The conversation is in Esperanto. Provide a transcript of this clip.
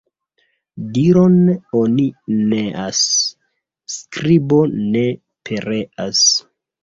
Diron oni neas, skribo ne pereas.